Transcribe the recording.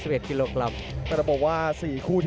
สวัสดิ์นุ่มสตึกชัยโลธสวิทธิ์